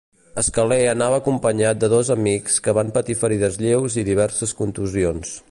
Escalé anava acompanyat de dos amics que van patir ferides lleus i diverses contusions.